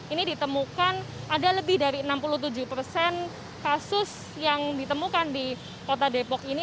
ini ditemukan ada lebih dari enam puluh tujuh persen kasus yang ditemukan di kota depok ini